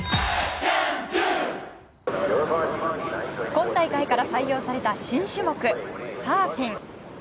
今大会から採用された新種目サーフィン。